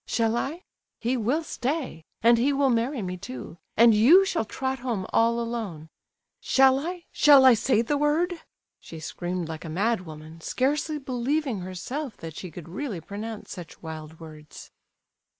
Shall I? He will stay, and he will marry me too, and you shall trot home all alone. Shall I?—shall I say the word?" she screamed like a madwoman, scarcely believing herself that she could really pronounce such wild words.